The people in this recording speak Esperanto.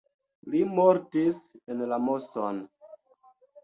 Li mortis la en Moson.